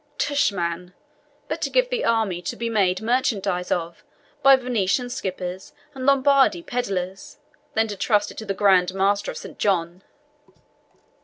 Tush, man, better give the army to be made merchandise of by Venetian skippers and Lombardy pedlars, than trust it to the Grand Master of St. John."